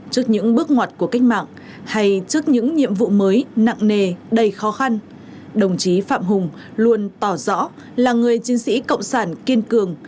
trước những bước ngoặt của cách mạng hay trước những nhiệm vụ mới nặng nề đầy khó khăn đồng chí phạm hùng luôn tỏ rõ là người chiến sĩ cộng sản kiên cường